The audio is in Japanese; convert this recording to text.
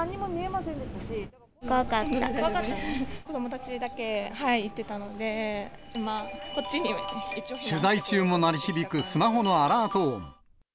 子どもたちだけで行ってたの取材中も鳴り響く、スマホのアラート音。